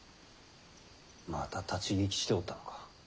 また立ち聞きしておったのか。